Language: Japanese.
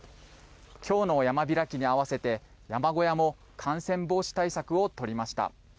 きょうの山開きにあわせて山小屋も感染防止対策を取りました。